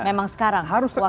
memang sekarang waktunya